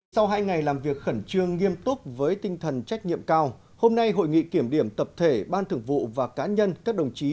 sau hai ngày làm việc khẩn trương nghiêm túc với tinh thần trách nhiệm cao hôm nay hội nghị kiểm điểm tập thể ban thường vụ và cá nhân các đồng chí